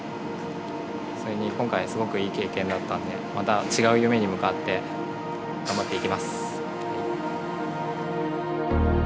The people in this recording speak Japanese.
それに今回すごくいい経験だったんでまた違う夢に向かって頑張っていきます。